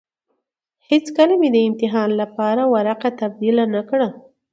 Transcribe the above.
هېڅکله مې يې د امتحان لپاره ورقه تبديله نه کړه.